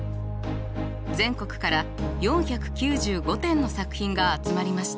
全国から４９５点の作品が集まりました。